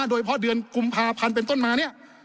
โดยเพราะเดือนกุมภาพันธ์เป็นต้นมาเนี่ย